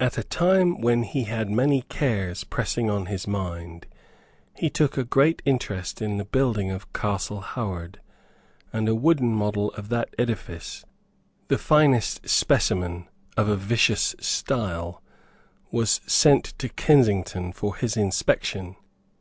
At a time when he had many cares pressing on his mind he took a great interest in the building of Castle Howard; and a wooden model of that edifice, the finest specimen of a vicious style, was sent to Kensington for his inspection.